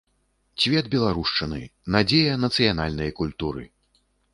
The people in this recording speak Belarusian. Цвет беларушчыны, надзея нацыянальнай культуры!